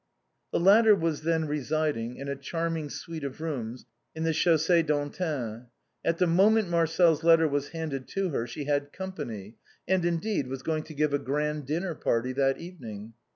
The latter was then residing in a charming suite of rooms in the Chaussée d'Antin. At the moment Marcel's letter was handed to her, she had company, and, indeed, was going to give a grand dinner party that evening.